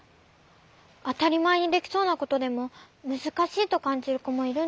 あたりまえにできそうなことでもむずかしいとかんじるこもいるんだね。